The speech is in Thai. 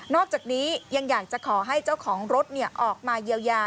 อกจากนี้ยังอยากจะขอให้เจ้าของรถออกมาเยียวยา